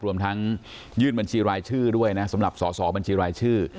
รวมทั้งยื่นบัญชีรายชื่อด้วยนะสำหรับสอสอบัญชีรายชื่อ